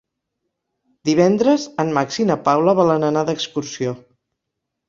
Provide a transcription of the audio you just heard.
Divendres en Max i na Paula volen anar d'excursió.